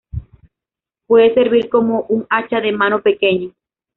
Puede servir como un hacha de mano pequeño.